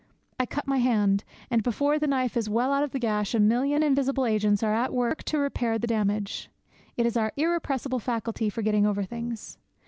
I cut my hand; and, before the knife is well out of the gash, a million invisible agents are at work to repair the damage. It is our irrepressible faculty for getting over things.